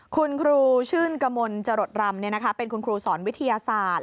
คุณครูชื่นกมลจรดรำเป็นคุณครูสอนวิทยาศาสตร์